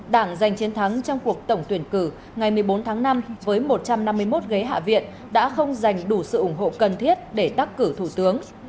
đảng giành chiến thắng trong cuộc tổng tuyển cử ngày một mươi bốn tháng năm với một trăm năm mươi một ghế hạ viện đã không giành đủ sự ủng hộ cần thiết để tắt cử thủ tướng